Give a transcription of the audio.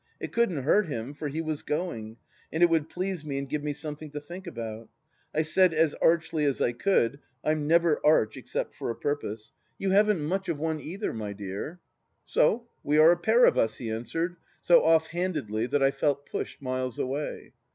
It couldn't hurt him, for he was going, and it would please me and give me something to think about. I said as archly as I could— I'm never arch except for a purpose : THE LAST DITCH 287 " You haven't much of one either, my dear." " So we are a pair of us," he answered, so off handedly that I felt pushed miles away.